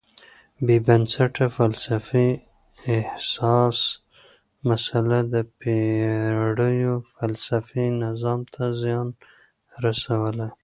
بېبنسټه فلسفي اساسي مسئله د پېړیو فلسفي نظام ته زیان رسولی.